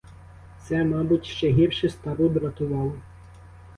Це, мабуть, ще гірше стару дратувало.